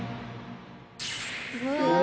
うわ！